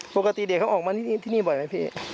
ปกติเด็กเขาออกมาที่นี่บ่อยไหมพี่